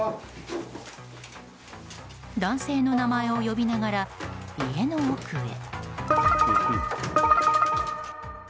男性の名前を呼びながら家の奥へ。